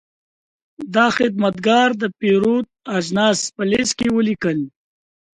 دا خدمتګر د پیرود اجناس په لېست کې ولیکل.